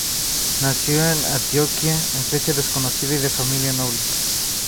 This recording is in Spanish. Nació en Antioquía en fecha desconocida y de familia noble.